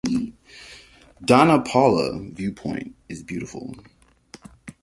Dona Paula view point is beautiful.